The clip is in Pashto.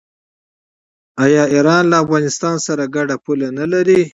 آیا ایران له افغانستان سره ګډه پوله نلري؟